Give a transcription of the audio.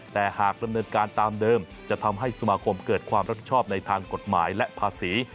แต่หากดำเนินการตามเดิมจะทำให้สมาคมเกิดความรับผิดชอบในทางกฎหมายและภาษี